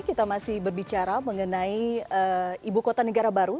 kita masih berbicara mengenai ibu kota negara baru